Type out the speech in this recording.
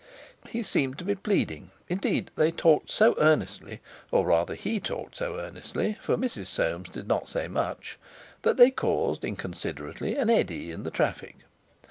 He seemed to be pleading. Indeed, they talked so earnestly—or, rather, he talked so earnestly, for Mrs. Soames did not say much—that they caused, inconsiderately, an eddy in the traffic.